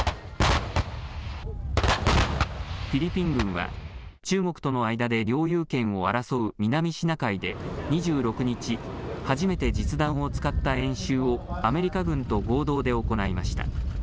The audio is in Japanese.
フィリピン軍は中国との間で領有権を争う南シナ海で２６日、初めて実弾を使った演習をアメリカ軍と合同で行いました。